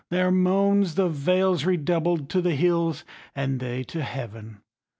Their moansThe vales redoubled to the hills, and theyTo heaven.